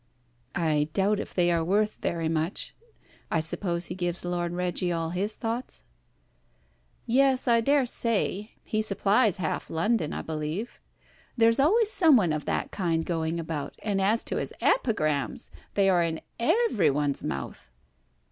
"I doubt if they are worth very much. I suppose he gives Lord Reggie all his thoughts?" "Yes, I dare say. He supplies half London, I believe. There is always some one of that kind going about. And as to his epigrams, they are in every one's mouth."